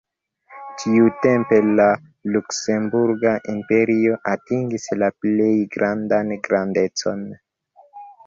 Tiutempe la luksemburga imperio atingis la plej grandan grandecon.